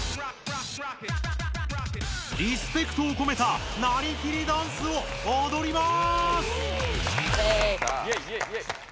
リスペクトをこめたなりきりダンスをおどります！